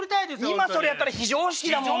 今それやったら非常識だもんね。